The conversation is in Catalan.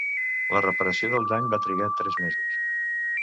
La reparació del dany va trigar tres mesos.